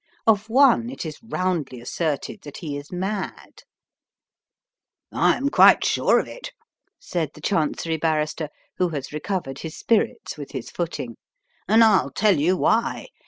Of one it is roundly asserted that he is mad. "I am quite sure of it," said the Chancery Barrister, who has recovered his spirits with his footing, "and I'll tell you why.